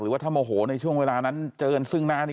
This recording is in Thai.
หรือว่าถ้าโนโหโน่ช่วงเวลานั้นเจินซึ้งนาน